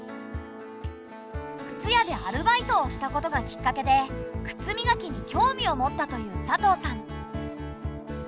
靴屋でアルバイトをしたことがきっかけで靴磨きに興味を持ったという佐藤さん。